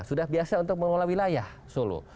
sudah biasa untuk mengelola wilayah solo